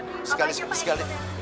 apa ekspor yang kita